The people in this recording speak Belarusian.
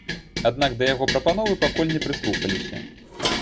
Аднак да яго прапановы пакуль не прыслухаліся.